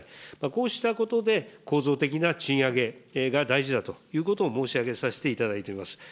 こうしたことで、構造的な賃上げが大事だということを申し上げさせていただいております。